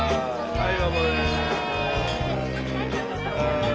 はい！